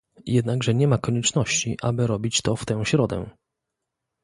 Jednakże nie ma konieczności, aby robić to w tę środę